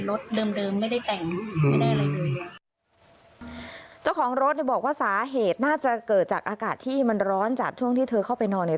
เดิมเดิมไม่ได้แต่งไม่ได้อะไรเลยเจ้าของรถเนี่ยบอกว่าสาเหตุน่าจะเกิดจากอากาศที่มันร้อนจากช่วงที่เธอเข้าไปนอนเนี่ย